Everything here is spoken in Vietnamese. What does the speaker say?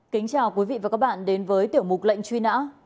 kính chào quý vị và các bạn đến với tiểu mục lệnh truy nã